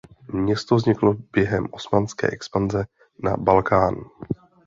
Město vzniklo během osmanské expanze na Balkán.